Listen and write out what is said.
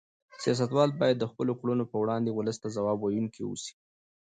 سیاستوال باید د خپلو کړنو په وړاندې ولس ته ځواب ویونکي اوسي.